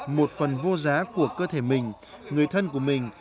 một phần vô giá của cơ thể mình người thân của mình